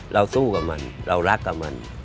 สู้กับมันเรารักกับมัน